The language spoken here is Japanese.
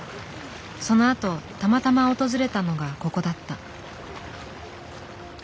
そのあとたまたま訪れたのがここだった。